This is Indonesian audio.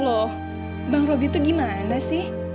loh bang robby tuh gimana sih